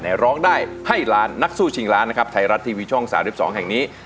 ร้องได้ให้ล้านนักสู้ชิงล้านนะครับไทยรัฐทีวีช่อง๓๒แห่งนี้